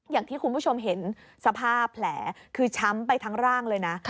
อย่างที่คุณผู้ชมเห็นสภาพแผลคือช้ำไปทั้งร่างเลยนะ